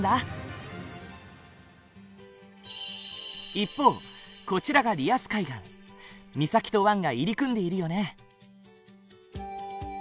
一方こちらが岬と湾が入り組んでいるよね。